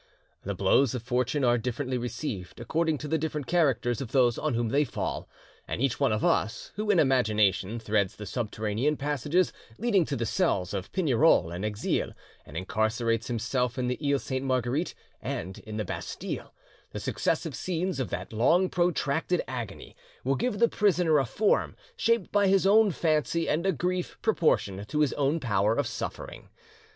The blows of fortune are differently received according to the different characters of those on whom they fall; and each one of us who in imagination threads the subterranean passages leading to the cells of Pignerol and Exilles, and incarcerates himself in the Iles Sainte Marguerite and in the Bastille, the successive scenes of that long protracted agony will give the prisoner a form shaped by his own fancy and a grief proportioned to his own power of suffering.